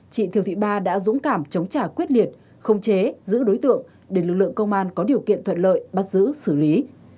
chị thiều thị ba đã dũng cảm chống trả quyết liệt không chế giữ đối tượng để lực lượng công an có điều kiện thuận lợi bắt giữ xử lý